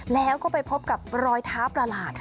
แล้วก็ไปพบกับรอยเท้าประหลาด